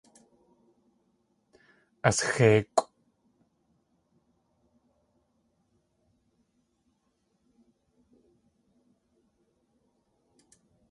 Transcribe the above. Asxéikʼw.